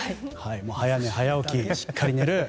早寝早起き、しっかり寝る。